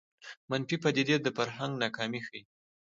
منفي پدیدې د فرهنګ ناکامي ښيي